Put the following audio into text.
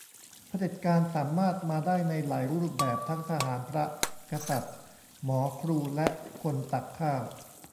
เผด็จการสามารถมาได้ในหลายรูปแบบ ทั้งทหาร พระ กษัตริย์ หมอ ครู และคนตักข้าว